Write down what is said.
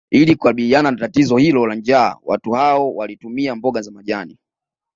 Ili kukabiliana na tatizo hilo la njaa watu hao walitumia mboga za majani